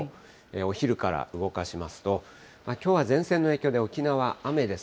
お昼から動かしますと、きょうは前線の影響で沖縄、雨です。